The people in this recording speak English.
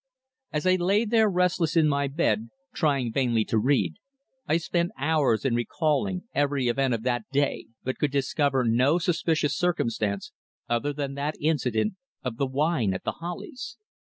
As I lay there restless in my bed, trying vainly to read, I spent hours in recalling every event of that day, but could discover no suspicious circumstance other than that incident of the wine at The Hollies.